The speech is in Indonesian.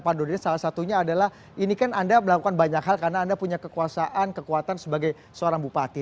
pak nurdin salah satunya adalah ini kan anda melakukan banyak hal karena anda punya kekuasaan kekuatan sebagai seorang bupati